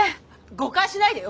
誤解しないでよ